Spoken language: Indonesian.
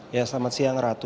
ya selamat siang ratu